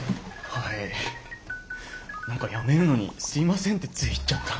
はい何か辞めるのにすいませんってつい言っちゃった。